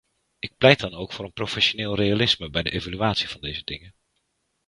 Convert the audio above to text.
Ik pleit dan ook voor een professioneel realisme bij de evaluatie van deze dingen.